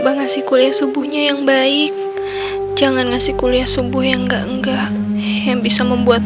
ngasih kuliah subuhnya yang baik jangan ngasih kuliah subuh yang enggak enggak yang bisa membuat